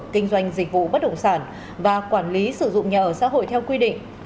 kinh doanh dịch vụ bất động sản và quản lý sử dụng nhà ở xã hội theo quy định